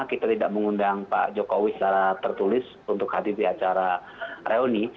kita tidak mengundang pak jokowi secara tertulis untuk hadir di acara reuni